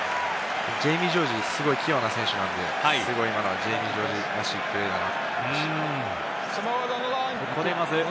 ジェイミー・ジョージ、すごい器用な選手なのでジェイミー・ジョージらしいプレーだった。